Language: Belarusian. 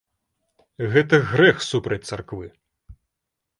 Гэта грэх супраць царквы.